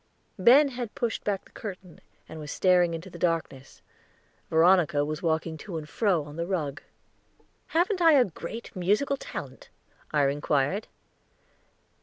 Ben had pushed back the curtain, and was staring into the darkness; Veronica was walking to and fro on the rug. "Haven't I a great musical talent?" I inquired.